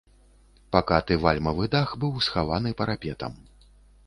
Пакаты вальмавы дах быў схаваны парапетам.